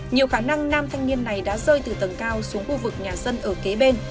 nhiều khả năng nam thanh niên này đã rơi từ tầng cao xuống khu vực nhà dân ở kế bên